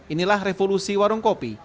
inilah revolusi warung kopi